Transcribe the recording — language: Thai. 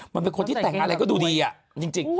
มันเป็นคนที่แต่งอะไรก็ดูดีจริง